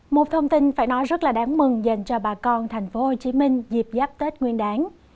một thông tin phải nói rất là đáng mừng dành cho bà con tp hcm dịp giáp tết nguyên đáng